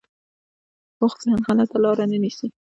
پوخ ذهن غلطه لاره نه نیسي